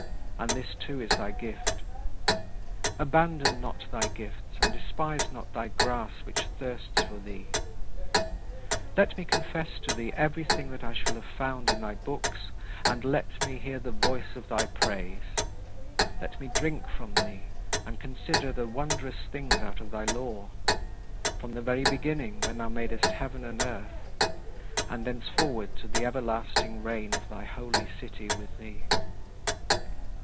And this too is thy gift. Abandon not thy gifts and despise not thy "grass" which thirsts for thee. Let me confess to thee everything that I shall have found in thy books and "let me hear the voice of thy praise." Let me drink from thee and "consider the wondrous things out of thy law" from the very beginning, when thou madest heaven and earth, and thenceforward to the everlasting reign of thy Holy City with thee.